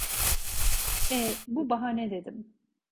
Eh. Bu bahane dedim.